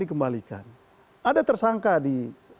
diterima ada tersangka di